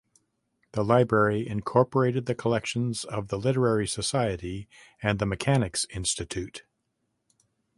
The library incorporated the collections of the Literary Society and the Mechanics institute.